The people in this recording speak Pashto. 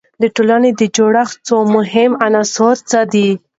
د ټولنې د جوړښت څو مهم عناصر څه دي؟